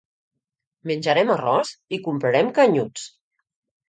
Menjarem arròs i comprarem canyuts